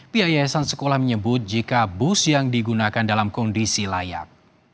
pihak yayasan sekolah menyebut jika bus yang digunakan dalam kondisi layak